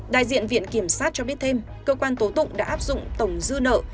đại diện viện kiểm sát cho biết thêm cơ quan tố tụng đã áp dụng tổng dư nợ